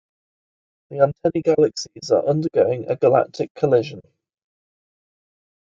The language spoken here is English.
The Antennae Galaxies are undergoing a galactic collision.